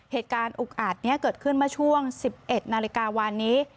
เหตุการณ์อุกอาจเกิดขึ้นมาช่วง๑๑นาฬิกาวันนี้